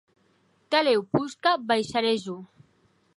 Tanlèu posca baisharè jo.